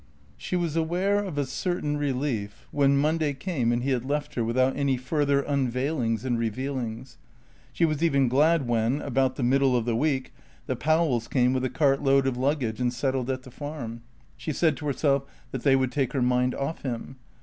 She was aware of a certain relief when Monday came and he had left her without any further unveilings and revealings. She was even glad when, about the middle of the week, the Powells came with a cart load of luggage and settled at the Farm. She said to herself that they would take her mind off him.